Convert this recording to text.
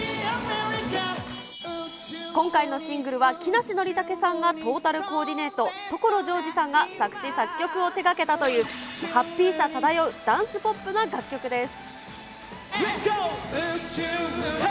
今回のシングルは、木梨憲武さんがトータルコーディネート、所ジョージさんが作詞作曲を手がけたという、ハッピーさ漂うダンスポップな楽曲です。